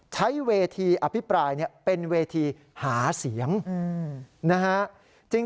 ใช้เวทีอภิปรายเป็นเวทีหาเสียงนะฮะ